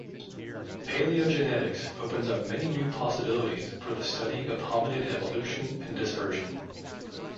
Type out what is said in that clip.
Paleogenetics opens up many new possibilities for the study of hominid evolution and dispersion.